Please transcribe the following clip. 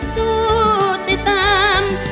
สู้ติดตาม